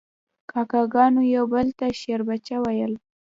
کاکه ګانو یو بل ته شیربچه ویل.